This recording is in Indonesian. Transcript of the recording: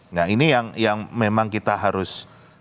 nah ini yang memang kita harus